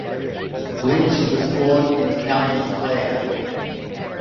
Lynch was born in County Clare.